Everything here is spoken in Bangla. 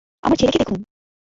আমার ছেলেকে দেখুন!